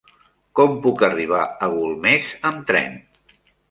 Com puc arribar a Golmés amb tren?